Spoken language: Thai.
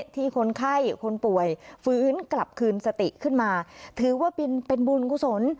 คนไข้คนป่วยฟื้นกลับคืนสติขึ้นมาถือว่าเป็นบุญกุศล